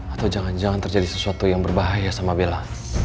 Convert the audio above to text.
atau jangan jangan terjadi sesuatu yang berbahaya sama bella